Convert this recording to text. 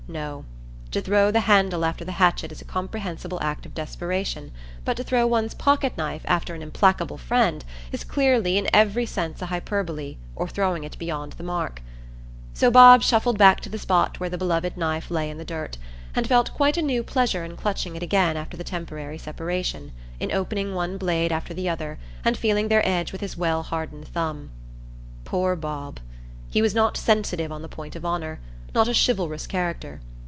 No; to throw the handle after the hatchet is a comprehensible act of desperation, but to throw one's pocket knife after an implacable friend is clearly in every sense a hyperbole, or throwing beyond the mark. So Bob shuffled back to the spot where the beloved knife lay in the dirt, and felt quite a new pleasure in clutching it again after the temporary separation, in opening one blade after the other, and feeling their edge with his well hardened thumb. Poor Bob! he was not sensitive on the point of honour, not a chivalrous character.